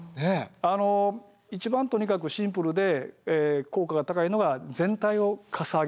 あの一番とにかくシンプルで効果が高いのが全体をかさ上げする。